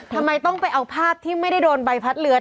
ทำไมต้องไปเอาภาพที่ไม่ได้โดนใบพัดเรือ